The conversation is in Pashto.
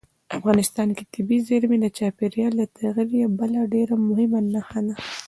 افغانستان کې طبیعي زیرمې د چاپېریال د تغیر یوه بله ډېره مهمه نښه ده.